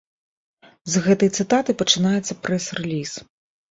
З гэтай цытаты пачынаецца прэс-рэліз.